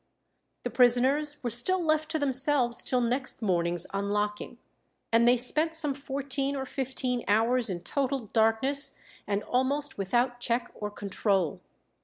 The prisoners were still left to themselves till next morning's unlocking, and they spent some fourteen or fifteen hours in total darkness, and almost without check or control.